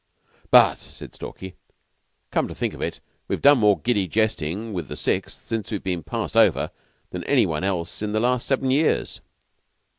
"But," said Stalky, "come to think of it, we've done more giddy jesting with the Sixth since we've been passed over than any one else in the last seven years."